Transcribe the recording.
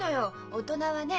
大人はね